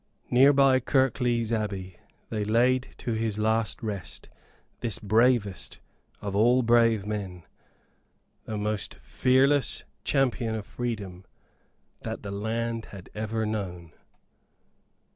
Near by Kirklees Abbey they laid to his last rest this bravest of all brave men the most fearless champion of freedom that the land had ever known.